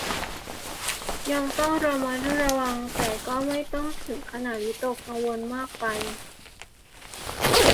ยังต้องระมัดระวัง แต่ก็ไม่ต้องถึงขนาดวิตกกังวลมากไป